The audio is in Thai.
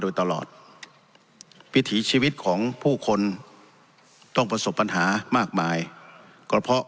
โดยตลอดวิถีชีวิตของผู้คนต้องประสบปัญหามากมายก็เพราะ